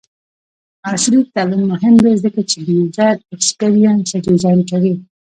عصري تعلیم مهم دی ځکه چې د یوزر ایکسپیرینس ډیزاین کوي.